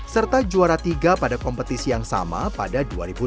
serta juara tiga pada kompetisi yang sama pada dua ribu dua puluh